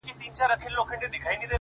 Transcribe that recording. ټوله وركه يې!